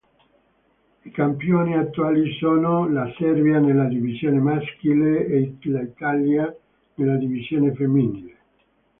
I campioni attuali sono la Serbia nella divisione maschile e l'Italia nella divisione femminile.